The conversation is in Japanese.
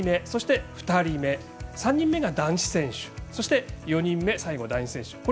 そして２人目、３人目が男子選手４人目最後、男子選手。